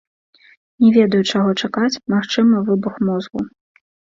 Не ведаю, чаго чакаць, магчыма, выбух мозгу.